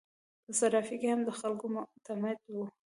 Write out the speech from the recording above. په صرافي کې هم د خلکو معتمد وو.